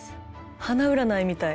花占いみたい。